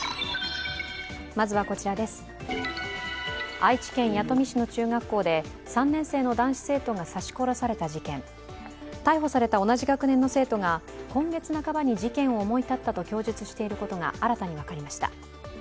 愛知県弥富市の中学校で３年生の男子生徒が刺し殺された事件逮捕された同じ学年の生徒が今月半ばに事件を思い立ったと供述していることが新たに分かりました。